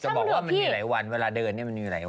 บอกว่ามันมีหลายวันเวลาเดินเนี่ยมันมีหลายวัน